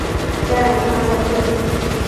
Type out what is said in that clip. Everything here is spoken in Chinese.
家人放在客厅